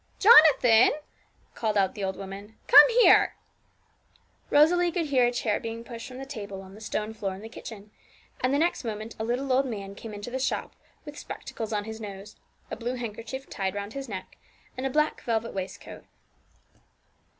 'Jonathan,' called out the old woman, 'come here.' Rosalie could hear a chair being pushed from the table on the stone floor in the kitchen, and the next moment a little old man came into the shop, with spectacles on his nose, a blue handkerchief tied round his neck, and a black velvet waistcoat.